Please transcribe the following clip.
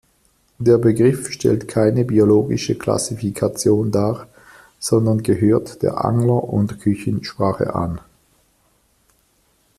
Der Begriff stellt keine biologische Klassifikation dar, sondern gehört der Angler- und Küchensprache an.